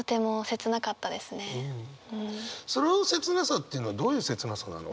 その切なさっていうのはどういう切なさなの？